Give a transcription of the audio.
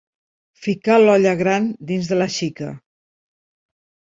Ficar l'olla gran dins de la xica.